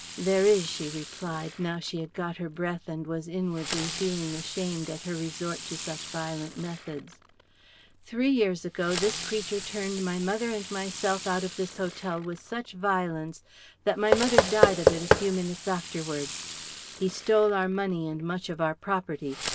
"There is," she replied, now she had got her breath and was inwardly feeling ashamed at her resort to such violent methods. "Three years ago, this creature turned my mother and myself out of this hotel with such violence that my mother died of it a few minutes afterwards. He stole our money and much of our property.